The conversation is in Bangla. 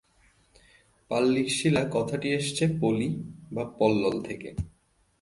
পাললিক শিলা কথাটি এসেছে 'পলি' বা 'পলল' থেকে।